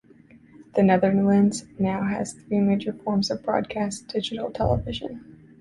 The Netherlands now has three major forms of broadcast digital television.